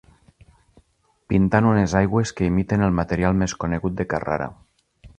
Pintant unes aigües que imiten el material més conegut de Carrara.